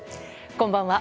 こんばんは。